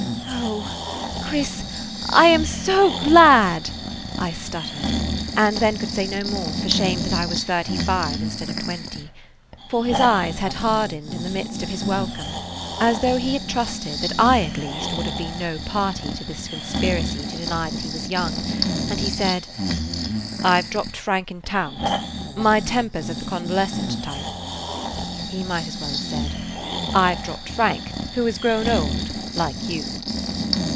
"O Chris, I am so glad!" I stuttered, and then could say no more for shame that I was thirty five instead of twenty. For his eyes had hardened in the midst of his welcome, as though he had trusted that I at least would have been no party to this conspiracy to deny that he was young, and he said: [Page 44] "I 've dropped Frank in town. My temper 's of the convalescent type." He might as well have said, "I 've dropped Frank, who had grown old, like you."